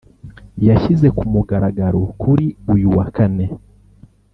yashyize ku mugaragaro kuri uyu wa Kane